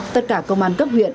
tất cả công an cấp huyện